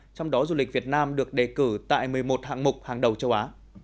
trong đó du lịch việt nam được đề cử tại một mươi một hạng mục hàng đầu châu á